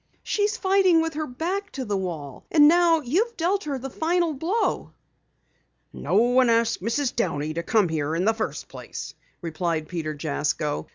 "She's fighting with her back to the wall. And now you've dealt her the final blow." "No one asked Mrs. Downey to come here in the first place," replied Peter Jasko.